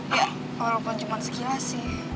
ya walaupun cuma sekilas sih